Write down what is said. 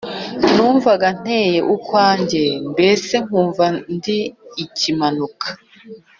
numvaga nteye ukwanjye mbese nkumva ndi ikimanuka